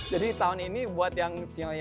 jadi tahun ini buat yang